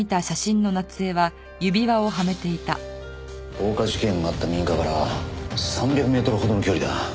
放火事件があった民家から３００メートルほどの距離だ。